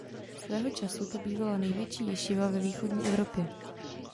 Svého času to bývala největší ješiva ve východní Evropě.